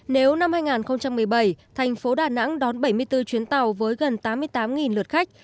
nếu năm hai nghìn một mươi bảy thành phố đà nẵng đón bảy mươi bốn chuyến tàu với gần tám mươi tám lượt khách